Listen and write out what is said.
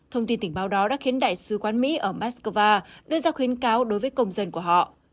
thông tin tình báo đó đã khiến đại sứ quán mỹ ở moscow đưa ra khuyến cáo đối với công dân của họ